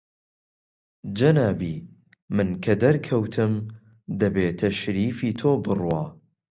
جەنابی من کە دەرکەوتم، دەبێ تەشریفی تۆ بڕوا